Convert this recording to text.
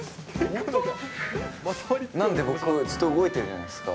なんで僕、ずっと動いてるじゃないですか。